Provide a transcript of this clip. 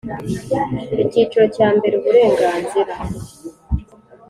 Icyiciro cya mbere Uburenganzira